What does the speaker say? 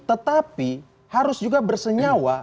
tetapi harus juga bersenyawa